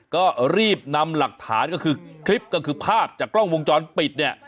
ก็รีบนำหลักฐานก็คือคลิปก็คือภาพจากกล้องวงจรปิดเนี่ย